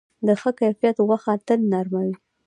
د ښه کیفیت غوښه تل نرم وي.